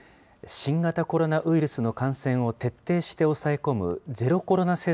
新型コロナウイルスの感染を徹底して抑え込むゼロコロナ